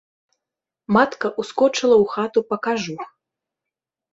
Матка ўскочыла ў хату па кажух.